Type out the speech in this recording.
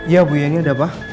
ya bu ya ini ada pak